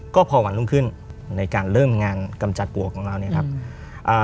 ก็พอวันลุงขึ้นในการเริ่มงานกำจัดปวกของเรา